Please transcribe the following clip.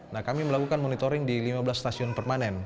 nah kami melakukan monitoring di lima belas stasiun permanen